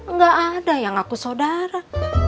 nggak ada yang ngaku saudara